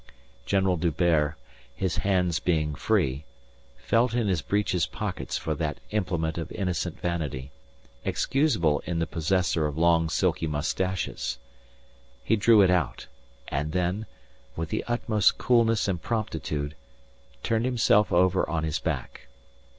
General D'Hubert, his hands being free, felt in his breeches pockets for that implement of innocent vanity, excusable in the possessor of long silky moustaches. He drew it out, and then, with the utmost coolness and promptitude, turned himself over on his back.